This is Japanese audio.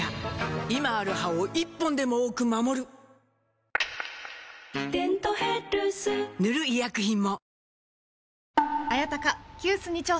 今ある歯を１本でも多く守る「デントヘルス」塗る医薬品も